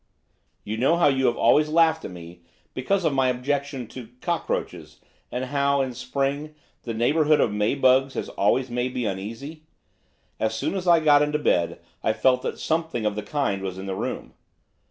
'You know how you have always laughed at me because of my objection to cockroaches, and how, in spring, the neighbourhood of May bugs has always made me uneasy. As soon as I got into bed I felt that something of the kind was in the room.